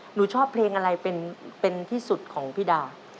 หนูชอบเพลงอะไรเป็นที่สุดของพี่ดา